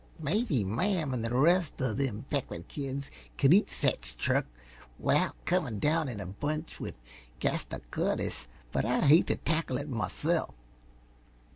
Maybe Mame an' the rest uh them Beckman kids can eat sech truck without comin' down in a bunch with gastakutus, but I'd hate t' tackle it myself."